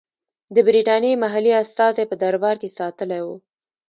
د برټانیې محلي استازی په دربار کې ساتلی وو.